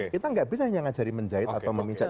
kita nggak bisa hanya mengajari menjahit atau memicat